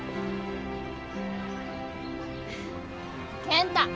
健太。